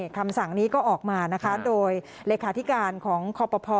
คำสั่งนี้ก็ออกมานะคะโดยเลขาธิการของคอปภ